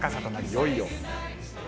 いよいよ。